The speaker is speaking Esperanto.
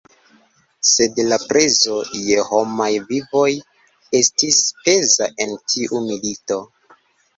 Sed la prezo je homaj vivoj estis peza en tiu milito.